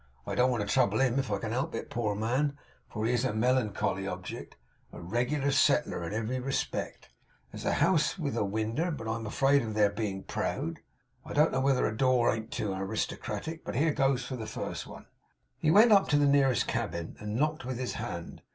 I don't want to trouble him if I can help it, poor man, for he is a melancholy object; a reg'lar Settler in every respect. There's house with a winder, but I am afraid of their being proud. I don't know whether a door ain't too aristocratic; but here goes for the first one!' He went up to the nearest cabin, and knocked with his hand.